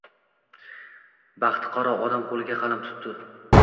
Baxtiqaro odam qoʻliga qalam tutdi